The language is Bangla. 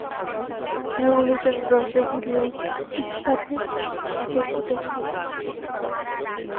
লেখাগুলো যেন রসে ভরিয়া উত্তাপে ফাটিয়া উঠিতে লাগিল।